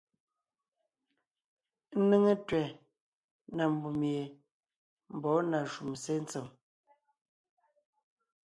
Ńnéŋe tẅɛ̀ na mbùm ye mbɔ̌ na shúm sé ntsèm.